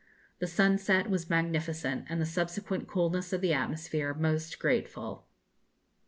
The sunset was magnificent, and the subsequent coolness of the atmosphere most grateful.